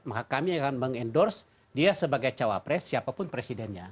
maka kami akan mengendorse dia sebagai cawapres siapapun presidennya